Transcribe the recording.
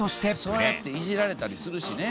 そうやってイジられたりするしね。